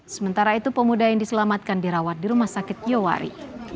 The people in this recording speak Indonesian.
sementara itu pemuda yang diselamatkan dirawat di rumah sakit yowari